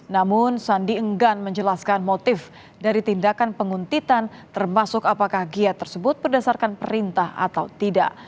namun sandi enggan menjelaskan motif dari tindakan penguntitan termasuk apakah giat tersebut berdasarkan perintah atau tidak